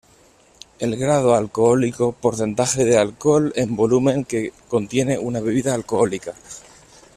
El grado alcohólico, porcentaje de alcohol en volumen que contiene una bebida alcohólica.